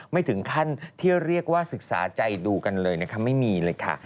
ไม่ถึงขั้นที่เรียกว่าศึกษาใจดูกันเลยนะคะไม่มีเลยค่ะ